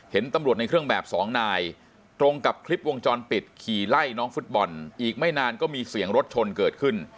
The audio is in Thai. เห็นตำรวจในเครื่องแบบสองนายตรงกับคลิปวงจรปิดขี่ไล่น้องฟุตบอลอีกไม่นานก็มีเสียงรถชนเกิดขึ้น